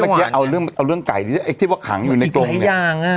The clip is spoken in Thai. ที่เมื่อกี้เอาเรื่องไก่ที่ผิดในกลง